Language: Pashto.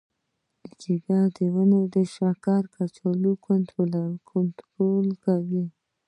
جگر د وینې د شکر کچه کنټرول کوي.